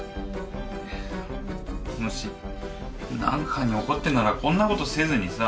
もし何かに怒ってるならこんなことせずにさ。